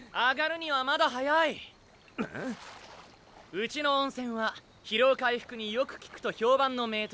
うちの温泉は疲労回復によく効くと評判の名湯。